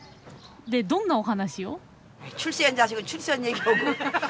でどんなお話を？